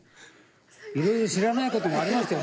いろいろ知らない事もありましたよ